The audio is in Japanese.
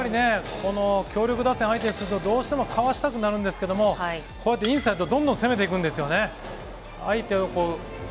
強力打線を相手にすると、どうしてもかわしたくなるんですけど、インサイド、どんどん攻めていくんですよね。